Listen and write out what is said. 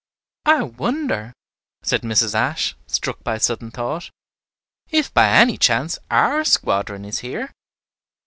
"I wonder," said Mrs. Ashe, struck by a sudden thought, "if by any chance our squadron is here."